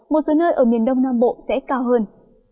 một số nơi ở miền đông nam bộ sẽ cao hơn